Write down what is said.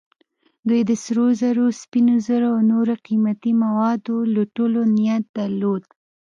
دوی د سرو زرو، سپینو زرو او نورو قیمتي موادو لوټلو نیت درلود.